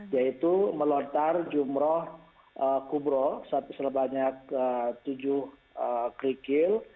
yaitu melontar jumroh kubro sebanyak tujuh kerikil